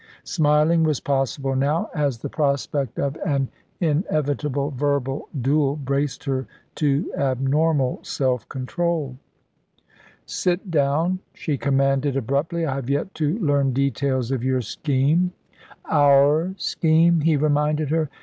Smiling was possible now, as the prospect of an inevitable verbal duel braced her to abnormal self control. "Sit down," she commanded abruptly. "I have yet to learn details of your scheme." "Our scheme," he reminded her.